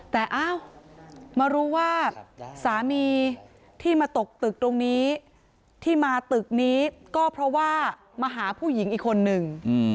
แต่อ้าวมารู้ว่าสามีที่มาตกตึกตรงนี้ที่มาตึกนี้ก็เพราะว่ามาหาผู้หญิงอีกคนนึง